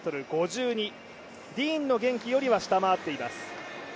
７８ｍ５２、ディーン元気よりは下回っています。